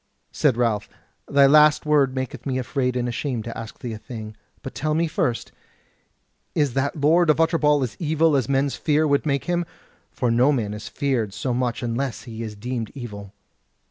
Said Ralph: "Thy last word maketh me afraid and ashamed to ask thee a thing. But tell me first, is that Lord of Utterbol as evil as men's fear would make him? for no man is feared so much unless he is deemed evil."